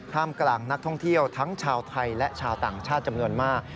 กลางนักท่องเที่ยวทั้งชาวไทยและชาวต่างชาติจำนวนมาก